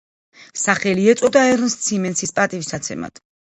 სახელი ეწოდა ერნსტ სიმენსის პატივსაცემად.